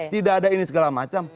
tidak ada ini segala macam